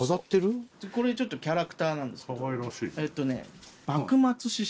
これちょっとキャラクターなんですけど。